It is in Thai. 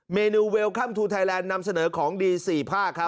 เมนูเวลคัมทูไทยแลนด์นำเสนอของดีสี่ภาคครับ